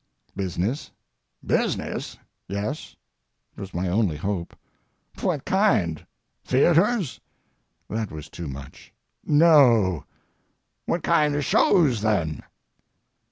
"Business." "Business?" "Yes." It was my only hope. "Phwat kind—theatres?" that was too much. "No." "What kind of shows, then?"